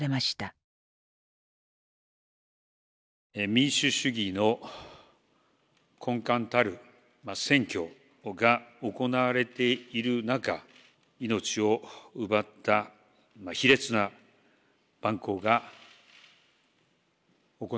民主主義の根幹たる選挙が行われている中命を奪った卑劣な蛮行が行われた。